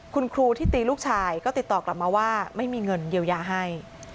คุณครูที่ตีลูกชายก็ติดต่อกลับมาว่าไม่มีเงินเยียวยาให้